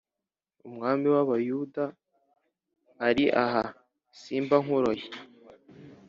umwami w Abayuda uri aha simba nkuroye